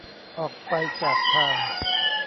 ออกไปจากทาง